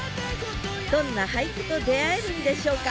どんな俳句と出会えるんでしょうか！？